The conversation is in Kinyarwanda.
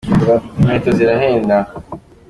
inkweto zirahenda.